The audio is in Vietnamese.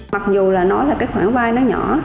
mặc dù là nó là cái khoản vay nó nhỏ